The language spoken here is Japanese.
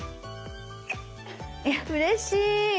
いやうれしい。